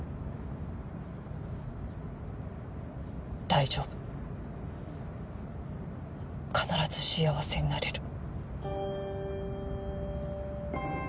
大丈夫必ず幸せになれる。